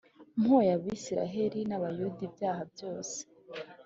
mpoye Abisirayeli n Abayuda ibyaha byose